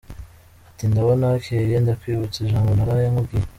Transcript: Ati: ndabona hakeye Ndakwibutsa ijambo Naraye nkubwiye.